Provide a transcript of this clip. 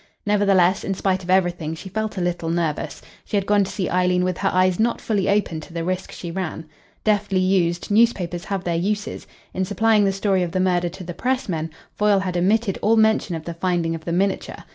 Nevertheless, in spite of everything, she felt a little nervous. She had gone to see Eileen with her eyes not fully open to the risk she ran. Deftly used, newspapers have their uses. In supplying the story of the murder to the pressmen, Foyle had omitted all mention of the finding of the miniature.